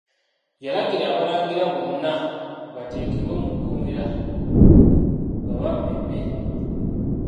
Yalagira Abalangira bonna bateekebwe mu kkomera babamme emmere.